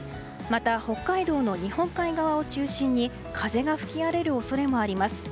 また、北海道の日本海側を中心に風が吹き荒れる恐れもあります。